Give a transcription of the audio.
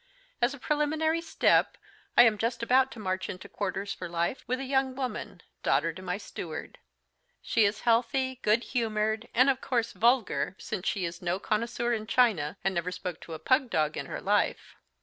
As a preliminary step, I am just about to march into quarters for life with a young woman, daughter to my steward. She is healthy, good humoured, and of course vulgar, since she is no connoisseur in china, and never spoke to a pug dog in her life.